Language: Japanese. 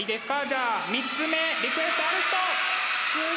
じゃあ３つ目リクエストある人？